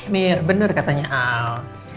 mir bener katanya al